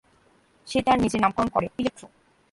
সে তার নিজের নামকরণ করে 'ইলেক্ট্রো'।